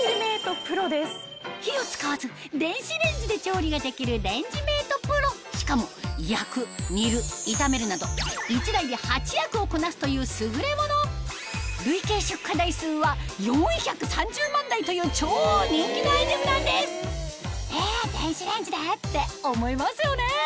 火を使わず電子レンジで調理ができるしかも焼く煮る炒めるなど１台で８役をこなすという優れもの累計出荷台数は４３０万台という超人気のアイテムなんですえ電子レンジで？って思いますよね